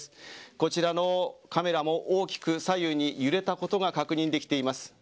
こちらのカメラも大きく左右に揺れたことが確認できています。